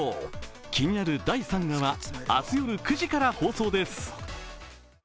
気になる第３話は明日夜９時から放送です。